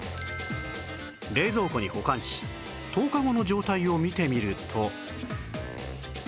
冷蔵庫に保管し１０日後の状態を見てみると